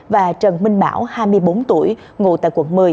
và trần minh bảo hai mươi bốn tuổi ngụ tại quận một mươi